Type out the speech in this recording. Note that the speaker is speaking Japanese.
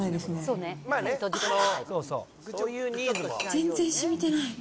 全然しみてない。